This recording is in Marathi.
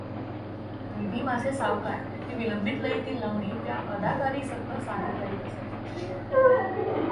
तुम्ही माझे सावकार ही विलंबित लयीतील लावणी त्या अदाकारीसह सादर करीत असत.